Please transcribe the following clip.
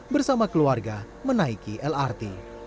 bersama keluarga menaiki lrt